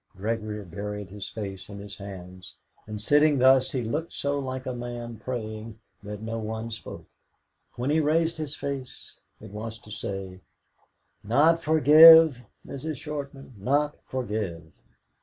Gregory buried his face in his hands, and sitting thus he looked so like a man praying that no one spoke. When he raised his face it was to say: "Not 'forgive,' Mrs. Shortman, not 'forgive'."